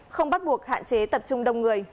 không bắt buộc hạn chế tập trung đông người